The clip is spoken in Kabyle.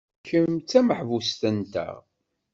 Kemm d tameḥbust-nteɣ.